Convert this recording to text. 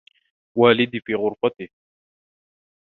والدي في غرفته.